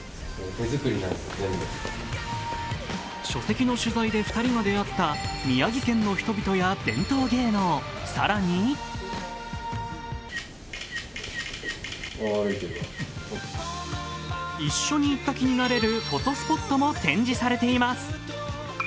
書籍の取材で２人が出会った宮城県の人々や伝統芸能、更に一緒に行った気になれるフォトスポットも展示されています。